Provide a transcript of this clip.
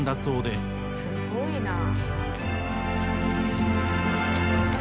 すごいなあ。